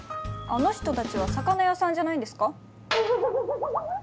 あの人たちは魚屋さんじゃないんですか？